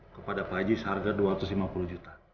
kepada pak haji seharga dua ratus lima puluh juta